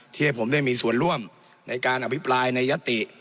ให้ผมได้มีส่วนร่วมในการอภิปรายในยติ